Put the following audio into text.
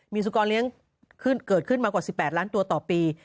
มีสุกรเลี้ยงเกิดขึ้นมากว่า๑๘ล้านตัวต่อปี